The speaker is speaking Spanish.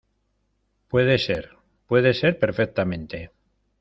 puede ser. puede ser perfectamente